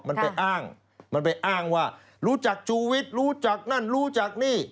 มันไปอ้างว่ารู้จักชุวิตรู้จักนั่นรู้จักนี่